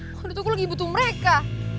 waduh tuh gue lagi butuh mereka